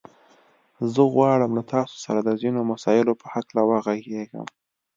زه غواړم له تاسو سره د ځينو مسايلو په هکله وغږېږم.